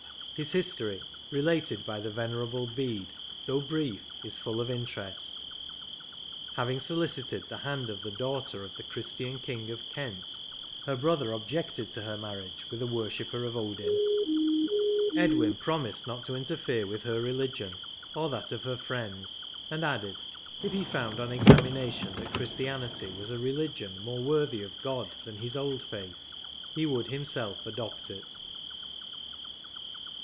His history, related by the Venerable Bede, though brief, is fall of interest. Having solicited the hand of the daughter of the Christian King of Kent, her brother objected to her marriage with a worshipper of Odin. Edwin promised not to interfere with her religion or that of her friends ; and added, if he found on examina tion that Christianity was a religion more worthy of God than his old faith, he would himself adopt it.